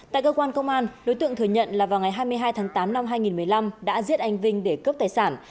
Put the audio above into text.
tại cơ quan công an đối tượng thừa nhận là vào ngày hai mươi hai tháng tám năm hai nghìn một mươi năm đã giết anh vinh để cướp tài sản